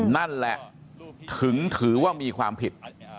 นั่นแหละถึงถือว่ามีความผิด